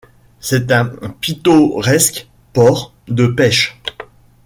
C'est un pittoresque port de pêche.